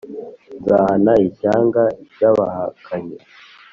nzahana ishyanga ry abahakanyi